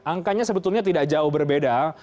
angkanya sebetulnya tidak jauh berbeda